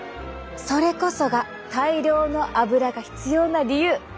それこそが大量の油が必要な理由。